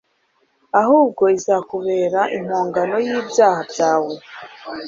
ahubwo izakubera impongano y'ibyaha byawe